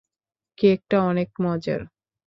কেকটা অনেক মজার।